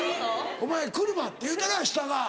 「お前車？」って言うたら下が？